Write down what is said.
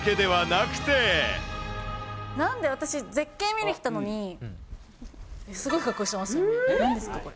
私、絶景見に来たのに。すごい格好してますよね、なんですかこれ。